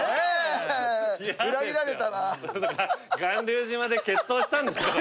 巌流島で決闘したんですから。